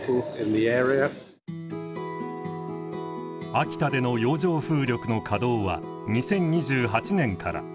秋田での洋上風力の稼働は２０２８年から。